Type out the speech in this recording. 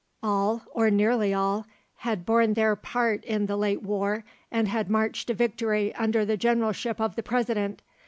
All, or nearly all, had borne their part in the late war and had marched to victory under the generalship of the President.